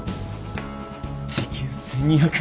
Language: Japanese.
時給１，２００円。